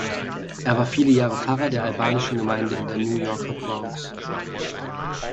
Er war viele Jahre Pfarrer der albanischen Gemeinde in der New Yorker Bronx.